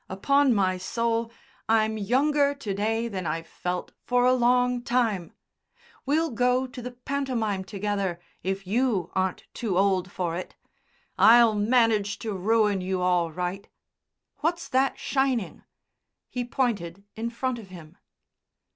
Upon my soul, I'm younger to day than I've felt for a long time. We'll go to the pantomime together if you aren't too old for it. I'll manage to ruin you all right. What's that shining?" He pointed in front of him.